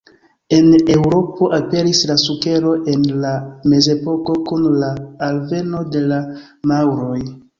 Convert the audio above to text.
En Eŭropo aperis la sukero en la Mezepoko kun la alveno de la maŭroj.